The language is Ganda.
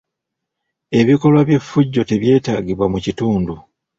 Ebikolwa by'effujjo tebyetaagibwa mu kitundu.